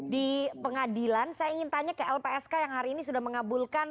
di pengadilan saya ingin tanya ke lpsk yang hari ini sudah mengabulkan